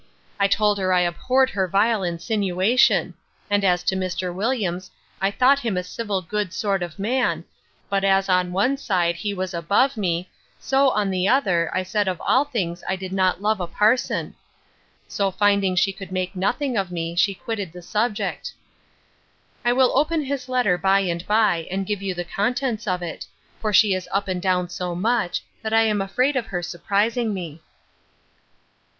I told her I abhorred her vile insinuation; and as to Mr. Williams, I thought him a civil good sort of man; but, as on one side, he was above me; so, on the other, I said of all things I did not love a parson. So, finding she could make nothing of me, she quitted the subject. I will open his letter by and by, and give you the contents of it; for she is up and down so much, that I am afraid of her surprising me.